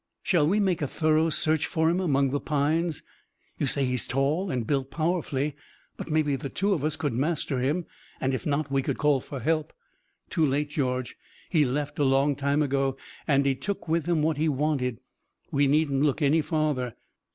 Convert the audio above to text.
"Shall we make a thorough search for him among the pines? You say he's tall and built powerfully. But maybe the two of us could master him, and if not we could call for help." "Too late, George. He left a long time ago, and he took with him what he wanted. We needn't look any farther."